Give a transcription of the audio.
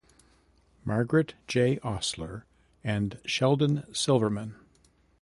Margaret J. Osler and Sheldon Silverman.